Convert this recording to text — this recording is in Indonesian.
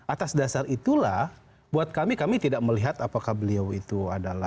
atas dasar itulah buat kami kami tidak melihat apakah beliau itu adalah